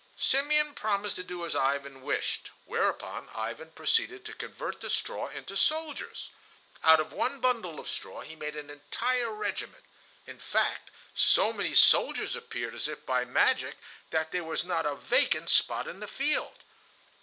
Simeon promised to do as Ivan wished, whereupon Ivan proceeded to convert the straw into soldiers. Out of one bundle of straw he made an entire regiment; in fact, so many soldiers appeared as if by magic that there was not a vacant spot in the field.